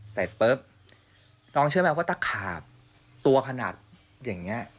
เสร็จปุ๊บน้องเชื่อไหมว่าตะขาบตัวขนาดอย่างนี้